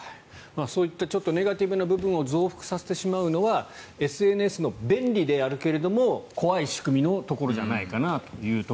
そういったちょっとネガティブな部分を増幅させてしまうのはＳＮＳの便利であるけれども怖い仕組みのところじゃないかなと。